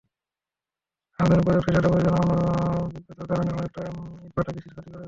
আধুনিক প্রযুক্তির ভাটা পরিচালনার অনভিজ্ঞতার কারণে অনেক ইটভাটা কৃষির ক্ষতি করছে।